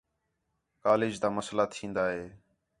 کالج تا مسئلہ تِھین٘دا ہِے